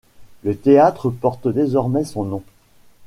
Le théâtre porte désormais son nom.